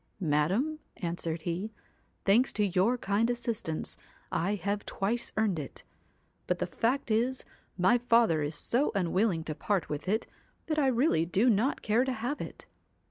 'Madam,' answered he, 'thanks to your kind assistance I have twice earned it. But the fact is my father is so unwilling to part with it that I really do not care to have it.'